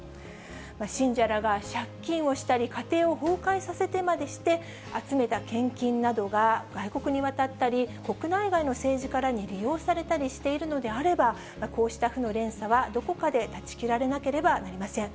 信者らが借金をしたり、家庭を崩壊させてまでして、集めた献金などが、外国に渡ったり、国内外の政治家らに利用されたりしているのであれば、こうした負の連鎖は、どこかで断ち切られなければなりません。